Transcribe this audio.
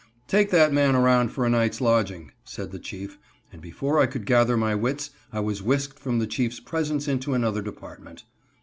"Take that man around for a night's lodging," said the Chief, and before I could gather my wits I was whisked from the Chief's presence into another department.